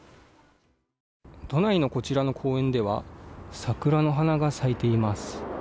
都内のこちらの公園では桜の花が咲いています。